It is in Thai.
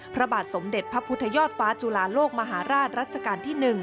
พระบาทสมเด็จพระพุทธยอดฟ้าจุลาโลกมหาราชรัชกาลที่๑